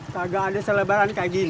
kagak ada selebaran kayak gini